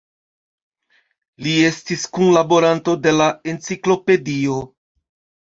Li estis kunlaboranto de la Enciklopedio.